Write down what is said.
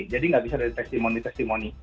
jadi nggak bisa ada testimoni testimoni